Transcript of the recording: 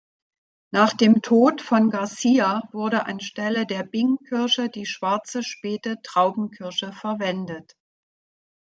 Nach dem Tod von Garcia wurde anstelle der Bing-Kirsche die schwarze Späte Traubenkirsche verwendet.